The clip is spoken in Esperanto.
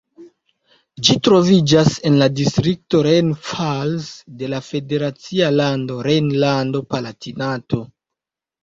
Ĝi troviĝas en la distrikto Rhein-Pfalz de la federacia lando Rejnlando-Palatinato.